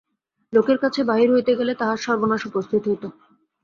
লোকের কাছে বাহির হইতে গেলে তাঁহার সর্বনাশ উপস্থিত হইত।